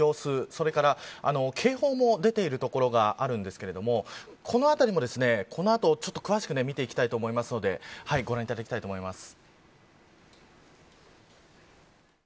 それから警報も出ている所があるんですけれどもこのあたりもこの後、詳しく見ていきたいと思いますのでご覧いただきたいと思います。